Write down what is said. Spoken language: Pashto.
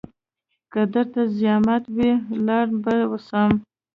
که درته زيامت وي لاړ به سم.